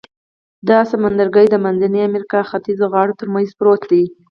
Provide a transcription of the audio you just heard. دا سمندرګي د منځنۍ امریکا ختیځو غاړو تر منځ پروت دی.